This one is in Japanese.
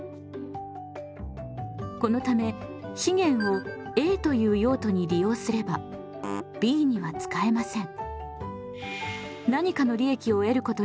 このため資源をＡという用途に利用すればＢには使えません。